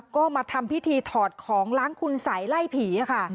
ก็มาทำพิธีถอดของล้างคุณสัยไล่ผีค่ะ